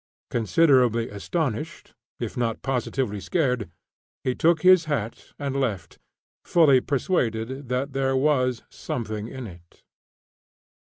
Considerably astonished, if not positively scared, he took his hat and left, fully persuaded that there was "something in it!"